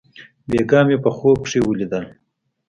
بېګاه مې په خوب کښې وليدل.